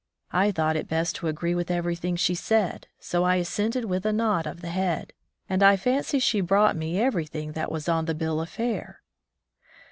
I thought it best to agree with everything she said, so I assented with a nod of the head, and I fancy she brought me everything that was on the bill of fare